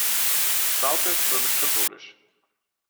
Sauter ist römisch-katholisch.